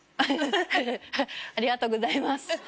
ハハありがとうございます